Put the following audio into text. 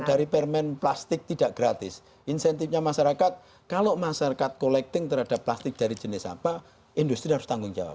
dari permen plastik tidak gratis insentifnya masyarakat kalau masyarakat collecting terhadap plastik dari jenis sampah industri harus tanggung jawab